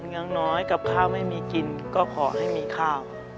อย่างน้อยกับข้าวไม่มีกินก็ขอให้มีข้าว